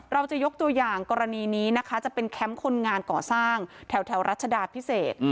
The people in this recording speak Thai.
เราจะยกตัวอย่างกรณีนี้นะคะจะเป็นแคมป์คนงานก่อสร้างแถวรัชดาพิเศษ